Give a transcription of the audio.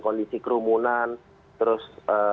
kondisi kerumunan terus